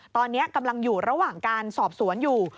ตอนนี้กำลังอยู่ระหว่างการสอบสวนอยู่